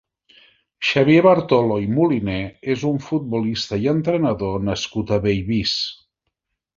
Xavier Bartolo i Moliné és un futbolista i entrenador nascut a Bellvís.